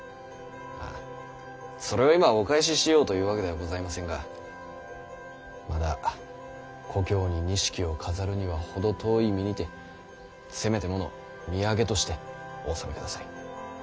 まあそれを今お返ししようというわけではございませんがまだ故郷に錦を飾るには程遠い身にてせめてもの土産としてお納めください。